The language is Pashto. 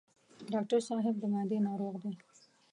ډاکټر صاحب د معدې ناروغ دی.